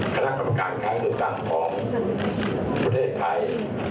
คณะกรรมการการเลือกตั้งของประเทศไทย